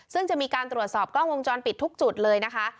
ซึ่งจะมีการตรวจสอบกล้องวงจรปิดทุกจุดเลยนะคะ